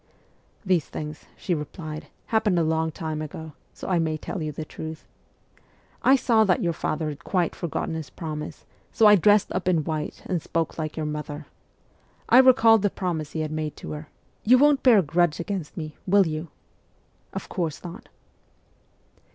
' These things,' she replied, ' happened a long time ago, so I may tell you the truth. I saw that your father had quite forgotten his promise, so I dressed up CHILDHOOD 71 in white and spoke like your mother. I recalled the promise he had made to her you won't bear a grudge against me, will you ?'' Of course not